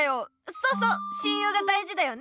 そうそう親友が大事だよね！